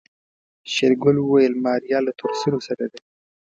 شېرګل وويل ماريا له تورسرو سره ده.